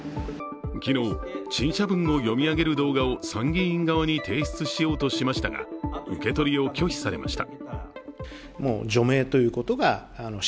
昨日、陳謝文を読み上げる動画を参議院側に提出しようとしましたが受け取りを拒否されました。